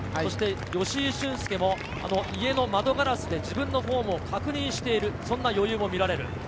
吉居駿恭も家の窓ガラスで自分のフォームを確認している、そんな余裕も見られる。